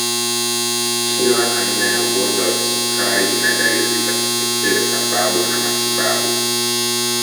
Kila aina ya ugonjwa wa kisukari ina dalili za kipekee sababu na matibabu